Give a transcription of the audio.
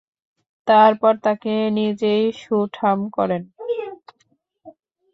তারপর তাকে নিজেই সুঠাম করেন।